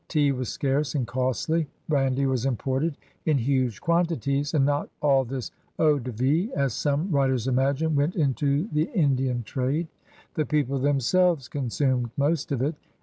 Tea was scarce and costly. Brandy was imported in huge quantities, and not all this eau de me^ as some writers imagine, went into the Indian trade. The people themselves consumed most of it.